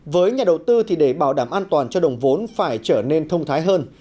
với nhà đầu tư thì để bảo đảm an toàn cho đồng vốn phải trở nên thông thái hơn